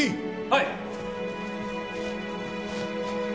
はい。